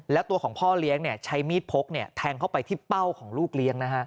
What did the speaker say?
แล้วตัวของพ่อเลี้ยงใช้มีดพกแทงเข้าไปที่เป้าของลูกเลี้ยงนะฮะ